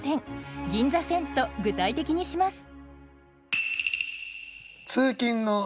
「銀座線」と具体的にします。